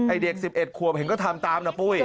เด็ก๑๑ขวบเห็นก็ทำตามนะปุ้ย